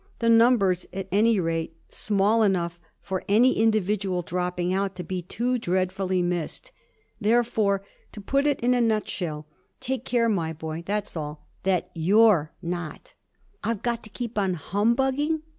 The number's at any rate small enough for any individual dropping out to be too dreadfully missed. Therefore, to put it in a nutshell, take care, my boy that's all that you're not!' 'I've got to keep on humbugging?'